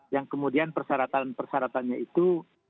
yang kemudian persyaratan persyaratannya itu